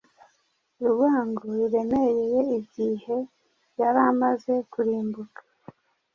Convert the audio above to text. Urwango ruremereye igihe yari amaze kurimbuka